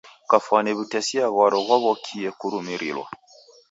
Kafwani w'utesia ghwaro ghwaw'okie kurumirilwa.